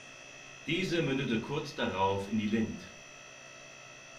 Diese mündete kurz darauf in die Linth.